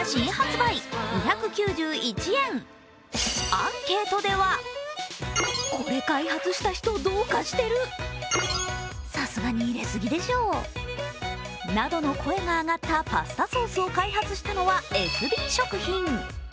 アンケートではなどの声が上がったパスタソースを開発したのはエスビー食品。